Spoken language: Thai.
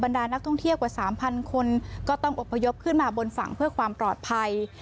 ดานักท่องเที่ยวกว่า๓๐๐คนก็ต้องอบพยพขึ้นมาบนฝั่งเพื่อความปลอดภัย